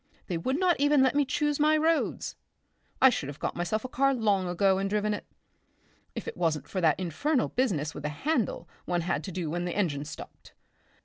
They would not even let me choose my roads. I should have got myself a car long ago, and driven it, if it wasn't for that infernal business with a handle one had to do when the engine stopped.